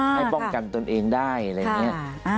ให้ป้องกันตนเองได้อะไรอย่างนี้